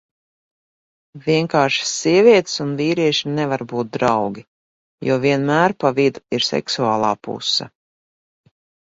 Vienkārši sievietes un vīrieši nevar būt draugi, jo vienmēr pa vidu ir seksuālā puse.